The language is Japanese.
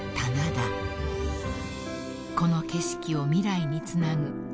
［この景色を未来につなぐ］